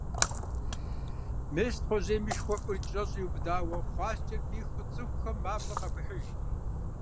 Мес Тхъуэжьейм и шхуэӀур кӀэщӀу иубыдауэ, хъуаскӀэр пихыу, цӀыхухэм мафӀэр къахуехьыж.